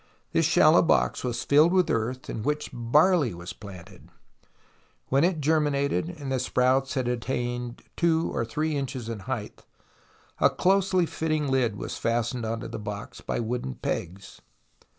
This shallow box was filled with earth in which barley was planted ; when it germinated and the sprouts had attained two or three inches in height a closely fitting lid was fastened on to the box by wooden pegs.